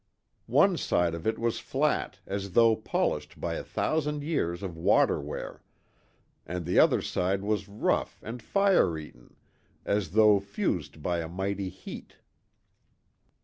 One side of it was flat, as though polished by a thousand years of water wear, and the other side was rough and fire eaten as though fused by a mighty heat.